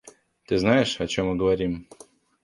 Ты знаешь, о чем мы говорим?